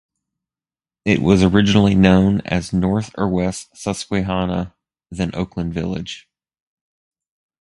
It was originally known as North or West Susquehanna, then Oakland village.